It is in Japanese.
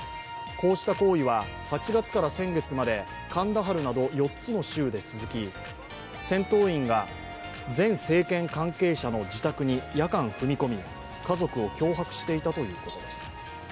こうした行為は８月から先月までカンダハルなど４つの州で続き戦闘員が前政権関係者の自宅に夜間踏み込み、家族を脅迫していたということです。